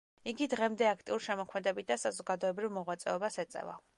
იგი დღემდე აქტიურ შემოქმედებით და საზოგადოებრივ მოღვაწეობას ეწევა.